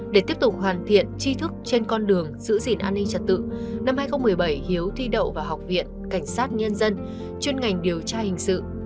để tiếp tục hoàn thiện chi thức trên con đường giữ gìn an ninh trật tự năm hai nghìn một mươi bảy hiếu thi đậu vào học viện cảnh sát nhân dân chuyên ngành điều tra hình sự